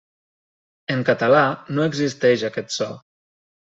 En català no existeix aquest so.